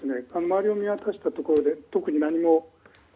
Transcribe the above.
周りを見渡したところで特に何も。